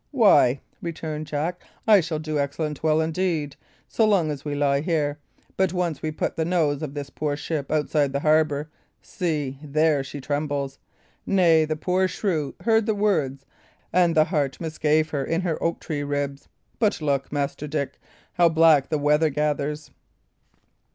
"Why," returned Jack, "I shall do excellent well indeed, so long as we lie here; but once we put the nose of this poor ship outside the harbour See, there she trembles! Nay, the poor shrew heard the words, and the heart misgave her in her oak tree ribs. But look, Master Dick! how black the weather gathers!"